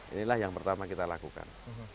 inilah yang pertama kita lakukan